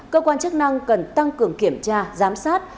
cơ quan chức năng cần tăng cường kiểm tra giám sát